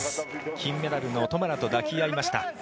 金メダルのトマラと抱き合いました。